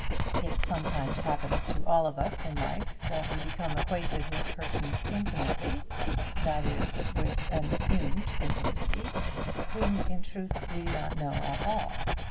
It sometimes happens to all of us in life that we become acquainted with persons intimately, that is, with an assumed intimacy, whom in truth we do not know at all.